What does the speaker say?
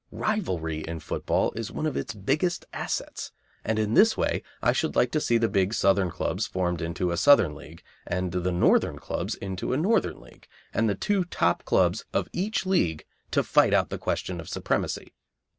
Rivalry in football is one of its biggest assets, and in this way I should like to see the big Southern clubs formed into a Southern League and the Northern clubs into a Northern League, and the two top clubs of each League to fight out the question of supremacy.